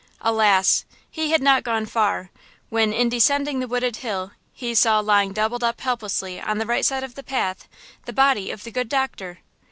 Alas! he had not gone far, when, in descending the wooded hill, he saw lying doubled up helplessly on the right side of the path, the body of the good doctor!